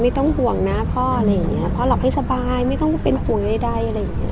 ไม่ต้องห่วงนะพ่ออะไรอย่างเงี้ยพ่อหลับให้สบายไม่ต้องเป็นห่วงใดอะไรอย่างเงี้